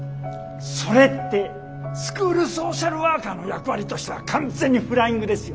それってスクールソーシャルワーカーの役割としたら完全にフライングですよ。